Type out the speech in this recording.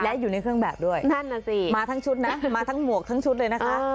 และอยู่ในเครื่องแบบด้วยนั่นน่ะสิมาทั้งชุดนะมาทั้งหมวกทั้งชุดเลยนะคะ